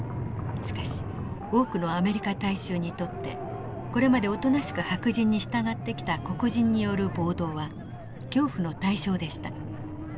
しかし多くのアメリカ大衆にとってこれまでおとなしく白人に従ってきた黒人による暴動は恐怖の対象でした。